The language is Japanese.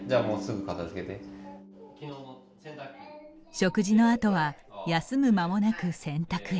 食事のあとは休む間もなく洗濯へ。